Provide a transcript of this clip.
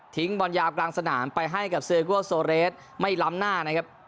ทิ้งบรรยาบกลางสนานไปให้กับเซเกอร์โซเรสไม่ล้ำหน้านะครับ